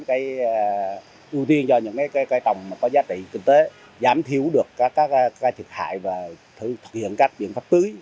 ưu tiên cho những cây trồng có giá trị kinh tế giám thiếu được các cây thực hại và thực hiện các biện pháp tưới